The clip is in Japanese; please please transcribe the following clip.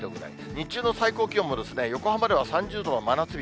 日中の最高気温も横浜では３０度の真夏日。